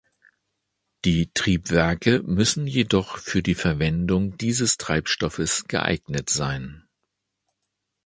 Die Triebwerke müssen jedoch für die Verwendung dieses Treibstoffes geeignet sein.